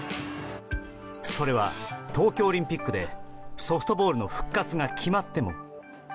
それは東京オリンピックでソフトボールの復活が決まっても。